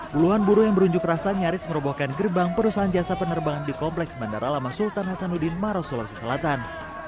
puluhan buruh yang berunjuk rasa nyaris merobohkan gerbang perusahaan jasa penerbangan di kompleks bandara lama sultan hasanuddin maros sulawesi selatan